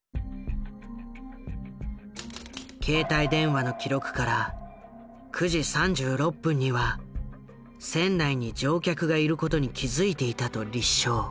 携帯電話の記録から９時３６分には船内に乗客がいることに気付いていたと立証。